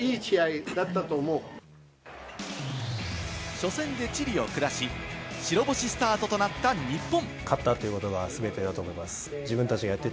初戦でチリを下し、白星スタートとなった日本。